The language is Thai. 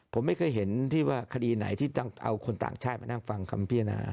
ผมไม่เคยเห็นที่คิดีไหนที่เอาคนต่างช่าย